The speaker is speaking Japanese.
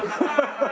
ハハハ！